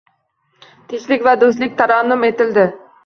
Tinchlik va do‘stlik tarannum etildi